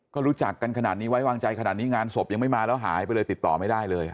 ก็รู้จักกันขนาดนี้ไว้วางใจขนาดนี้งานศพยังไม่มาแล้วหายไปเลยติดต่อไม่ได้เลย